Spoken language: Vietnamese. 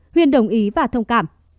huyên đồng ý và thông cảm